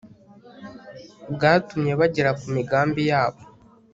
bwatumye bagera ku migambi yabo